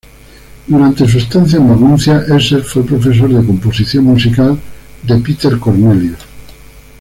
Durante su estancia en Maguncia, Esser fue profesor de composición musical de Peter Cornelius.